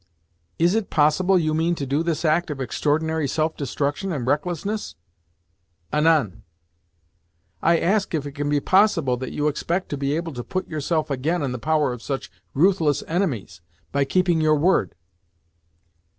"Is it possible you mean to do this act of extraordinary self destruction and recklessness?" "Anan!" "I ask if it can be possible that you expect to be able to put yourself again in the power of such ruthless enemies, by keeping your word."